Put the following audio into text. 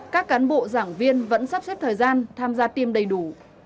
các cán bộ giảng viên vẫn sắp xếp thời gian tham gia tiêm đầy đủ